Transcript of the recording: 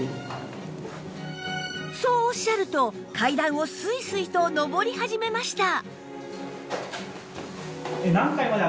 そうおっしゃると階段をスイスイと上り始めました